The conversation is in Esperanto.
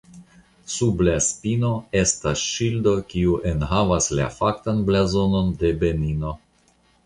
Sub la spino estas ŝildo kiu enhavas la faktan blazonon de Benino.